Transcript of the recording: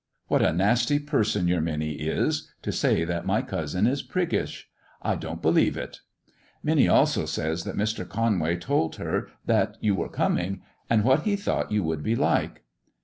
What a nasty person your Minnie is to say that my cousin is priggish ! I don't believe it." "Minnie also says that Mr. Conway told her that you were coming, and what he thought you would be like."